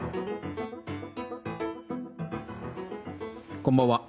こんばんは。